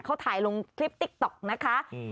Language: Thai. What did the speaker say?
เขาถ่ายลงคลิปติกต๊อกนะคะหือหือ